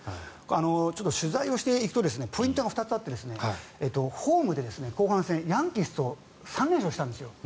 ちょっと取材をしていくとポイントが２つあってホームで後半戦、ヤンキースと３連勝したんですよ。